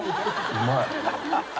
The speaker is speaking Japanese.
うまい。